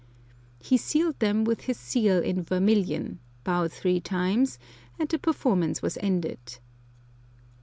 He sealed them with his seal in vermilion, bowed three times, and the performance was ended.